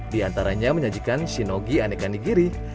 di antaranya menyajikan shinogi aneka nigiri